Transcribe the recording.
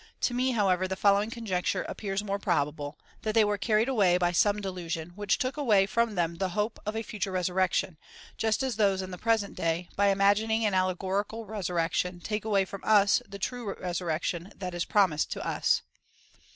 ^ To me, however, the following conjecture appears more probable — that they were carried away by some delusion,^ which took away from them the hope of a future resurrection, just as those in the present day, by imagining an allegorical resur rection,^ take away from us the true resurrection that is pro mised to us.